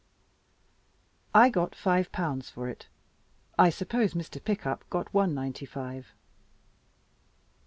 I got five pounds for it. I suppose Mr. Pickup got one ninety five.